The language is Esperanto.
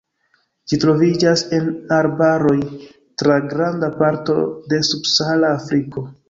Ĝi troviĝas en arbaroj tra granda parto de subsahara Afriko.